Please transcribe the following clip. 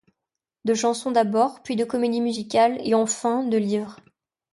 De chansons d'abord, puis de comédies musicales et enfin, de livres.